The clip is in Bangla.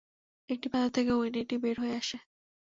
একটি পাথর থেকে উটনীটি বের হয়ে আসে।